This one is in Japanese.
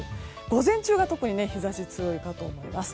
午前中が特に日差しが強いかと思います。